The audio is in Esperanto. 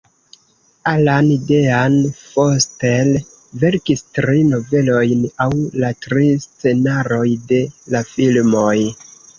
Alan Dean Foster verkis tri novelojn laŭ la tri scenaroj de la filmoj.